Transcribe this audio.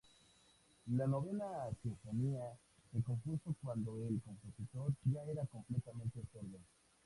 La Novena Sinfonía se compuso cuando el compositor ya era completamente sordo.